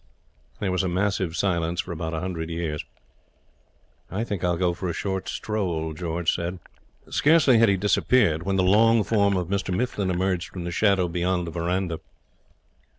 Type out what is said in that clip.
There was a massive silence for about a hundred years. 'I think I'll go for a short stroll,' said George. Scarcely had he disappeared when the long form of Mr Mifflin emerged from the shadow beyond the veranda.